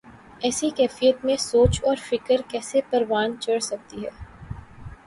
ایسی کیفیت میں سوچ اور فکر کیسے پروان چڑھ سکتی ہے۔